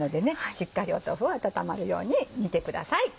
しっかり豆腐を温まるように煮てください。